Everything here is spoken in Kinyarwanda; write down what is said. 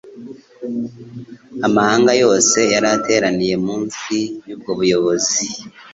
Amahanga yose yari ateraniye munsi y’ubwo buyobozi.